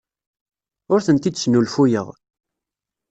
Ur tent-id-snulfuyeɣ.